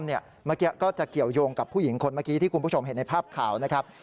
เมื่อกี้ก็จะเกี่ยวยงกับผู้หญิงคนเมื่อกี้ที่คุณผู้ชมเห็นในภาพข่าวนะครับ